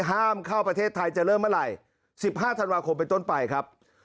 ห้ามเข้าประเทศไทยจะเริ่มเมื่อไหร่๑๕ธันวาคมไปต้นไปครับ